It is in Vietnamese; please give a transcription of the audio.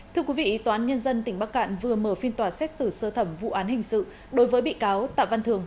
thưa quý vị tòa án nhân dân tỉnh bắc cạn vừa mở phiên tòa xét xử sơ thẩm vụ án hình sự đối với bị cáo tạ văn thường